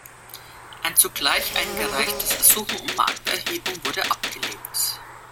Ein zugleich eingereichtes Ersuchen um Markterhebung wurde abgelehnt.